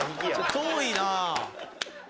遠いなあ。